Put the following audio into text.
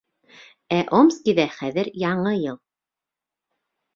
Ә Омскиҙа хәҙер Яңы йыл!